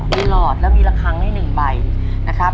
มีหลอดแล้วมีระคังให้๑ใบนะครับ